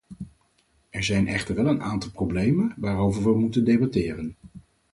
Er zijn echter wel een aantal problemen waarover we moeten debatteren.